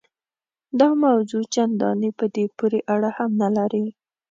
دا موضوع چنداني په دې پورې اړه هم نه لري.